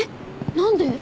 何で？